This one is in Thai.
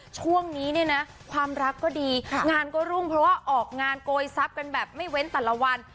ช่วงนี้ในความรักก็ดีงานก็รุ่งเพราะว่าออกงานโกยซับกันแบบไม่เว้นตลาดวัน